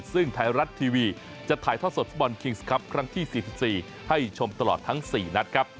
ซึ่งไทยรัฐทีวีจะถ่ายทอดสดฟุตบอลคิงส์ครับครั้งที่๔๔ให้ชมตลอดทั้ง๔นัดครับ